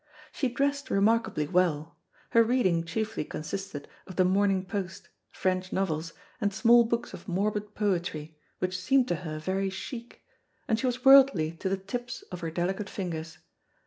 She dressed remarkably well; her reading chiefly consisted of the Morning Post, French novels, and small books of morbid poetry, which seemed to her very chic, and she was worldly to the tips of her delicate fingers.